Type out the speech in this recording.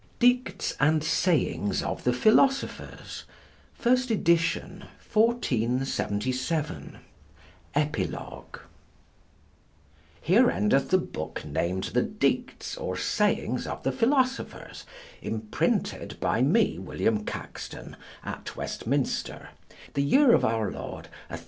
DICTES AND SAYINGS OF THE PHILOSOPHERS FIRST EDITION (1477). EPILOGUE Here endeth the book named The Dictes or Sayings of the Philosophers, imprinted by me, William Caxton, at Westminster, the year of our Lord 1477.